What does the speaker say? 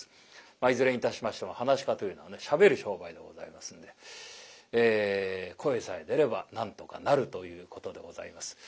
いずれにいたしましても噺家というのはねしゃべる商売でございますんで声さえ出ればなんとかなるということでございます。